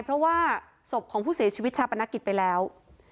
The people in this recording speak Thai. เพราะว่าศพของผู้เสียชีวิตชาปนกิจไปแล้ว